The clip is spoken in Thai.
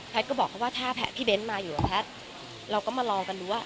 แพทย์ก็บอกว่าถ้าแพทย์พี่เบ้นมาอยู่กับแพทย์เราก็มารอกันดูว่า